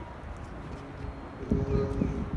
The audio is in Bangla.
আরে কেউ আগুনে ঝাঁপ দাও।